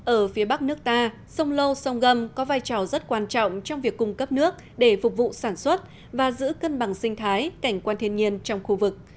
ở phía bắc nước ta sông lô sông gâm có vai trò rất quan trọng trong việc cung cấp nước để phục vụ sản xuất và giữ cân bằng sinh thái cảnh quan thiên nhiên trong khu vực